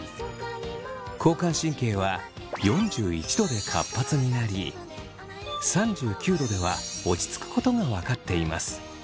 交感神経は４１℃で活発になり３９℃では落ち着くことが分かっています。